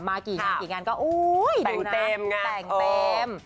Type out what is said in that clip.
มากี่งานก็อุ๊ยดูเต็ม